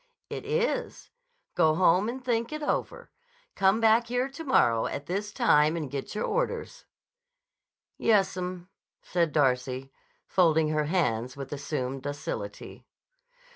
"It is. Go home and think it over. Come back here to morrow at this time and get your orders." "Yessum," said Darcy, folding her hands with assumed docility.